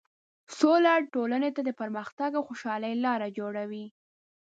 سوله ټولنې ته د پرمختګ او خوشحالۍ لاره جوړوي.